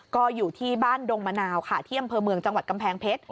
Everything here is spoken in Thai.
ก็อยู่ที่บ้านดงมะนาวค่ะที่อำเภอเมืองจังหวัดกำแพงเพชร